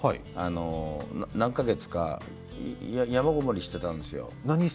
何か月か山ごもりしたんですよ。